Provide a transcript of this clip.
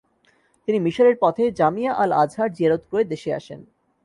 তিনি মিশরের পথে জামিয়া আল আজহার যিয়ারত করে দেশে আসেন।